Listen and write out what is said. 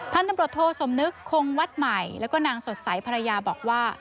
พระนับโปรโธสมนึกคงวัดใหม่แล้วก็นางสดใสภรรยาบอกว่า